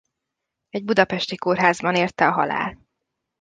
Egy budapesti kórházban érte a halál.